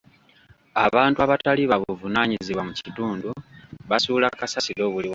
Abantu abatali ba buvunaanyizibwa mu kitundu basuula kasasiro buli wamu.